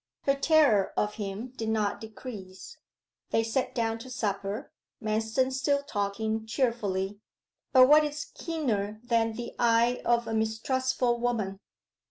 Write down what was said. Her terror of him did not decrease. They sat down to supper, Manston still talking cheerfully. But what is keener than the eye of a mistrustful woman?